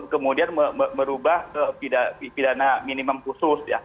kemudian merubah pidana minimum khusus ya